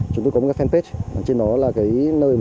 chúng tôi rất là cảm ơn